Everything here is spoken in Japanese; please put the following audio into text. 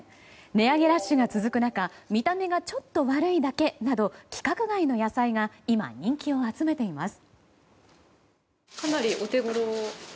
値上げラッシュが続く中見た目がちょっと悪いだけなど規格外の野菜が今、人気を集めています。